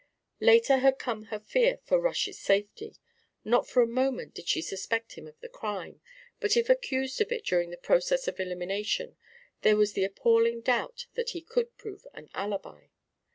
Later had come her fear for Rush's safety. Not for a moment did she suspect him of the crime, but if accused of it during the process of elimination, there was the appalling doubt that he could prove an alibi.